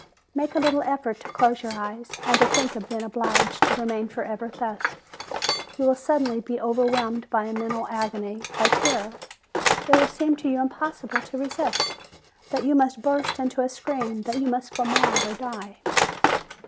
Make a little effort to close your eyes, and to think of being obliged to remain forever thus ; you will suddenly be overwhelmed by a mental agony, by terror; it will seem to you impossible to resist, that you must burst into a scream, that you must go mad or die.